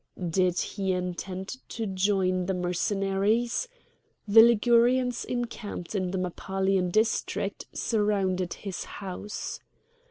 Did he intend to join the Mercenaries? The Ligurians encamped in the Mappalian district surrounded his house.